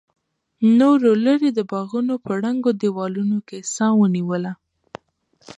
نورو لرې د باغونو په ړنګو دیوالونو کې سا ونیوله.